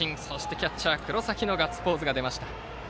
キャッチャー黒崎ガッツポーズが出ました。